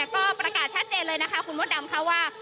ก็ประกาศชัดเจนเลยนะคะคุณมดดำค่ะว่า